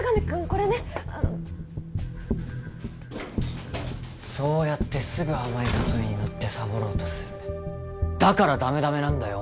これねあのそうやってすぐ甘い誘いにのってサボろうとするだからダメダメなんだよ